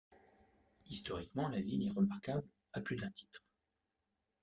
Historiquement, la ville est remarquable à plus d'un titre.